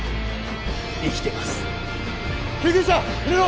生きてます救急車入れろ！